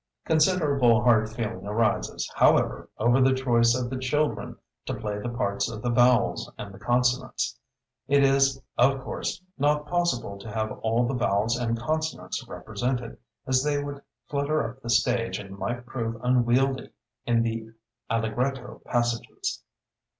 Considerable hard feeling arises, however, over the choice of the children to play the parts of the Vowels and the Consonants. It is, of course, not possible to have all the vowels and consonants represented, as they would clutter up the stage and might prove unwieldy in the allegretto passages.